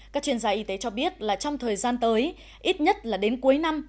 các chuyên gia y tế cho biết là trong thời gian tới ít nhất là đến cuối năm